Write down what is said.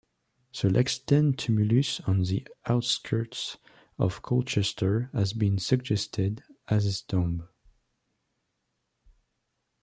The Lexden Tumulus on the outskirts of Colchester has been suggested as his tomb.